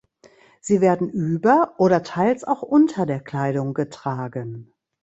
Sie werden über oder teils auch unter der Kleidung getragen.